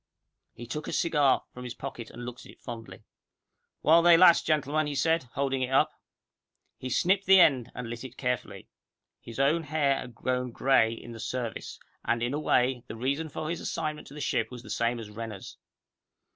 He took a cigar from his pocket, and looked at it fondly. "While they last, gentlemen," he said, holding it up. He snipped the end, and lit it carefully. His own hair had grown grey in the Service, and, in a way, the reason for his assignment to the ship was the same as Renner's.